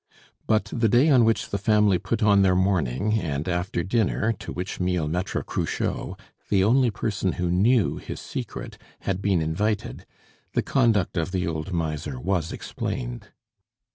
But the day on which the family put on their mourning, and after dinner, to which meal Maitre Cruchot (the only person who knew his secret) had been invited, the conduct of the old miser was explained.